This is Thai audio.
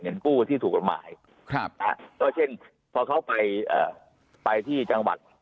เงินกู้ที่ถูกกับหมายครับเพราะเพราะเพราะเขาไปไปที่จังหวัด